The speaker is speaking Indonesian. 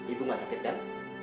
ibu gak sakit kan